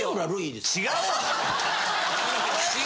違うわ！